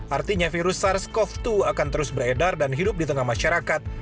artinya virus sars cov dua akan terus beredar dan hidup di tengah masyarakat